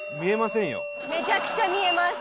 めちゃくちゃ見えます